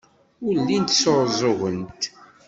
Ur llint sɛuẓẓugent.